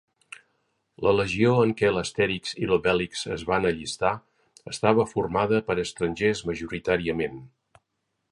La legió en què l'Astérix i l'Obélix es van allistar estava formada per estrangers majoritàriament.